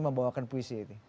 membawakan puisi ini